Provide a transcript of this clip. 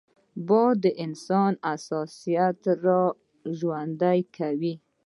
باد د انسان احساسات راژوندي کوي